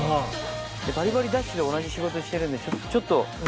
バリバリ『ＤＡＳＨ‼』で同じ仕事してるんでちょっと。